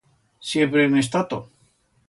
Siempre en he estato.